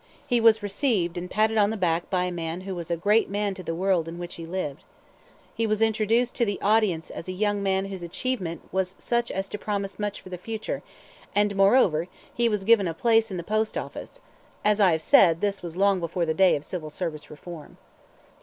He was received and patted on the back by a man who was a great man to the world in which he lived. He was introduced to the audience as a young man whose achievement was such as to promise much for the future, and moreover he was given a place in the post office as I have said, this was long before the day of Civil Service Reform.